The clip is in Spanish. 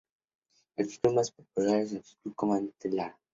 El club Más popular es el Club Comandante Lara.